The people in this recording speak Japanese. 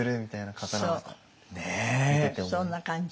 そんな感じ。